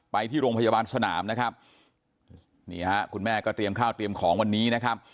ไปที่โรงพยาบาลสนามคุณแม่ก็เตรียมข้าวเตรียมของวันนี้